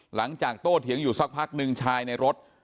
หลังจากโตเถียงอยู่สักพักหนึ่งชายในรถ